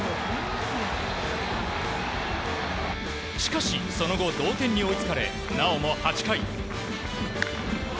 しかし、その後同点に追いつかれなおも８回。